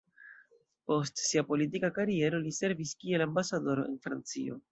Post sia politika kariero li servis kiel ambasadoro en Francio.